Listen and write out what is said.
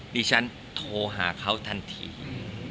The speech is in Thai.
ดิฉันโทรหาเขาทันที